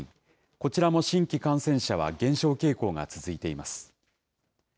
こちらも新規感染者は減少傾向が続いています。